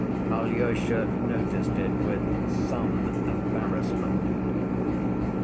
Alyosha noticed it with some embarrassment.